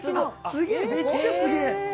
すげえめっちゃすげえ。